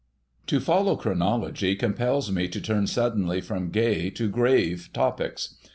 To follow Chronology compels me to turn suddenly from gay to grave topics.